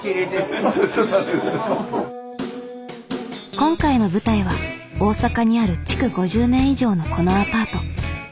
今回の舞台は大阪にある築５０年以上のこのアパート。